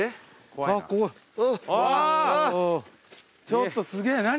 ちょっとすげぇ何？